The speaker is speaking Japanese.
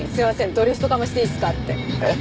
ドリフトかましていいっすかってえっ？